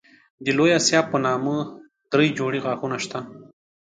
د لوی آسیاب په نامه دری جوړې غاښونه شته.